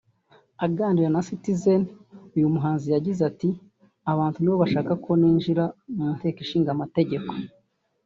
Aganira na Citizen uyu muhanzi yagize ati “Abantu nibo bashaka ko ninjira mu Nteko Ishingamategeko